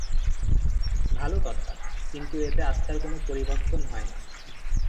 ভাল কথা, কিন্তু এতে আত্মার কোন পরিবর্তন হয় না।